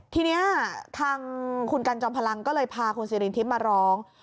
ทีนี้ทางคุณกันจอมพลังก็เลยพาคุณสิรินทิพย์มาร้อง